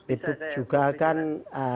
itu juga kan konsumsinya